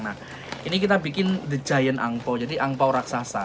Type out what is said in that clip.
nah ini kita bikin the giant angpau jadi angpau raksasa